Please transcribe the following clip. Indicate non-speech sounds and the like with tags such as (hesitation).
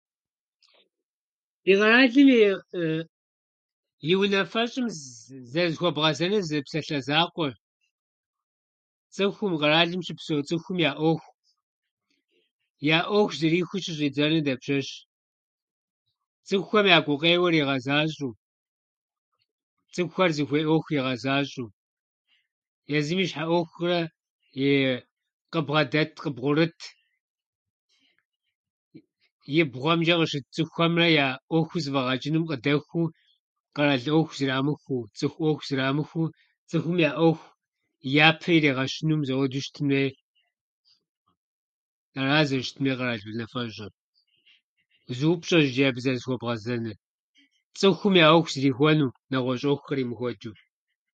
Ди къэралым и (hesitation) и унэфэщӏым зэрызыхуэбгъэзэнур зы псалъэ закъуэщ. Цӏыхуу мы къэралым щыпсэу цӏыхум я ӏуэху- я ӏуэху зрихуэу щыщӏидзэнур дэпщэщ? Цӏыхухэм я гукъеуэр игъэзащӏэу, цӏыхухэр зыхуей ӏуэху игъэзащӏэу, езым и щхьэ ӏуэхурэ и къыбгъэдэт, къыбгъурыт, и бгъухьэмчӏэ къыщыт цӏыхухьэмрэ я ӏуэху зэфӏэгъэчӏыным къыдэхуэу, къэрал ӏуэху зырамыхуэу, цӏыху ӏуэху зрамыхуэу. Цӏыхум и ӏуэху япэ иригъэщыну, мис ахуэду щытын хуейщ. Ара зэрыщытын хуейр къэрал унафэщӏыр. Зы упщӏэщ иджы абы зэрызыхуэбгъэзэныр: цӏыхум я ӏуэху щызрихуэнур нэгъуэщӏ ӏуэху къримыхуэчӏу.